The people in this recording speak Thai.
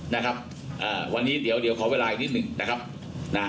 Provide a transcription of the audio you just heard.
นะครับอ่าวันนี้เดี๋ยวเดี๋ยวขอเวลาอีกนิดหนึ่งนะครับนะ